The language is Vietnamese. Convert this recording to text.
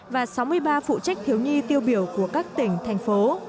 và sáu mươi ba phụ trách thiếu nhi tiêu biểu của các tỉnh thành phố